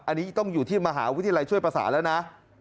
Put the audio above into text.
อันนี้ต้องอยู่ที่มหาวิทยาลัยช่วยประสานแล้วนะ